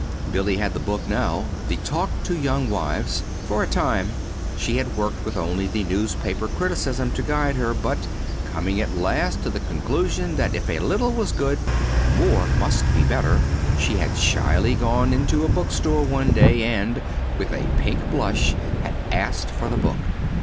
Billy had the book, now the "Talk to Young Wives." For a time she had worked with only the newspaper criticism to guide her; but, coming at last to the conclusion that if a little was good, more must be better, she had shyly gone into a bookstore one day and, with a pink blush, had asked for the book.